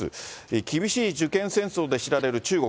厳しい受験戦争で知られる中国。